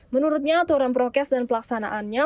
menurutnya aturan prokes dan pelaksanaannya